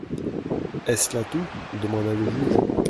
Est-ce là tout ? demanda le juge.